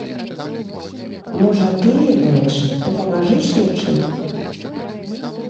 Можа, ты ведаеш, то памажы следчым.